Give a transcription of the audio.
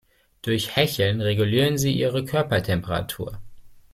Durch Hecheln regulieren sie ihre Körpertemperatur.